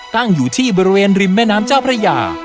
ตั้งอยู่ที่บริเวณริมแม่น้ำเจ้าพระยา